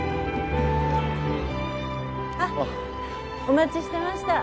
お待ちしてました。